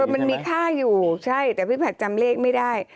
มันมีค่าอยู่ใช่แต่พี่ผัดจำเลขไม่ได้